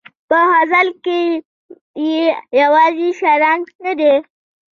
په غزل کې یې یوازې شرنګ نه دی.